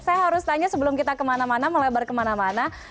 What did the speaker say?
saya harus tanya sebelum kita kemana mana melebar kemana mana